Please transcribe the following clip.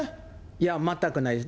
いや、全くないです。